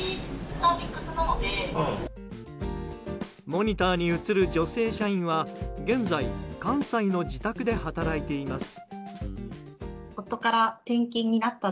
モニターに映る女性社員は現在、関西の自宅で働いています。